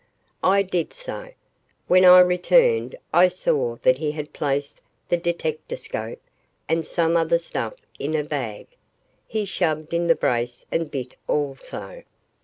I did so. When I returned, I saw that he had placed the detectascope and some other stuff in a bag. He shoved in the brace and bit also.